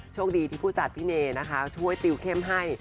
โชคดีที่ผู้จัดพี่เนนะคะช่วยติวเข้มให้